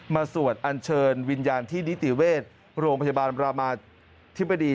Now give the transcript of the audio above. สวดอัญเชิญวิญญาณที่นิติเวชโรงพยาบาลรามาธิบดี